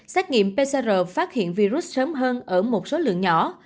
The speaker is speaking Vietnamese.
xét nghiệm pcr phát hiện virus sớm hơn ở một số lượng nhỏ